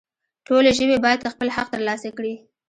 ټولې ژبې باید خپل حق ترلاسه کړي